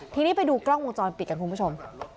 ทีนี้ไปดูกล้องวงจรปิดกันคุณผู้ชม